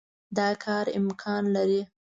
دا کار امکان لري.